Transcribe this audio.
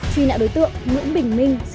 truy nãn đối tượng nguyễn bình minh